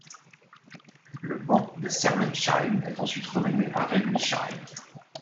Le ban de Sermensheim est ensuite revenu à Réguisheim.